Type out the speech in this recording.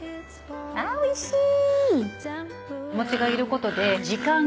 あおいしい！